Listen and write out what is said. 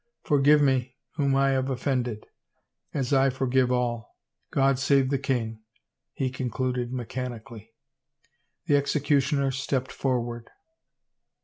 ... Forgive me whom I have offended ;.. as I forgive all ... God save the king," he concluded mechanically. The executioner stepped forward.